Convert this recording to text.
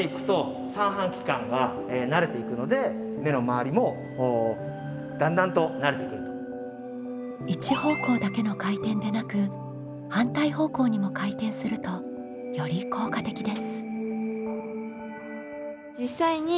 でもこれも一方向だけの回転でなく反対方向にも回転するとより効果的です。